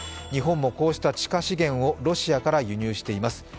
日本も、こうした地下資源をロシアから輸入しています。